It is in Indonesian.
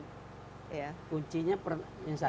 kuncinya yang satu